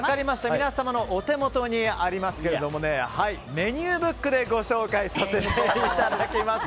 皆様のお手元にありますけれどもメニューブックでご紹介させていただきます。